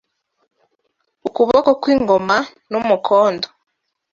Ukuboko kw’ingoma n' Umukondo